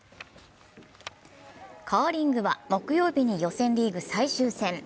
カーリングは木曜日に予選リーグ最終戦。